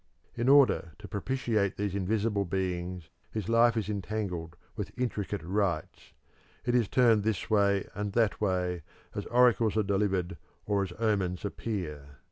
In order to propitiate these invisible beings, his life is entangled with intricate rites; it is turned this way and that way as oracles are delivered or as omens appear.